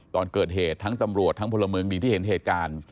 ตอนเกิดเหตุทั้งตำรวจทั้งพลเมืองดีที่เห็นเหตุการณ์